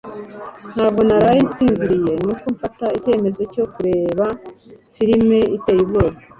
Ntabwo naraye nsinziriye, nuko mfata icyemezo cyo kureba firime iteye ubwoba.